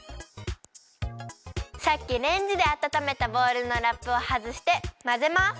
さっきレンジであたためたボウルのラップをはずしてまぜます。